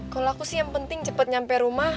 kalau aku sih yang penting cepat nyampe rumah